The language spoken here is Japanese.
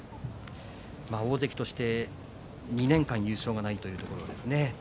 大関として２年間優勝がないというね。